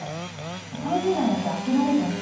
３０代になって諦めちゃって。